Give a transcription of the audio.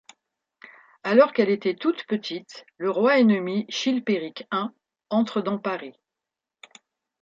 Alors qu'elle est toute petite, le roi ennemi Chilpéric I entre dans Paris.